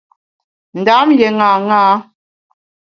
Ndam lié ṅaṅâ.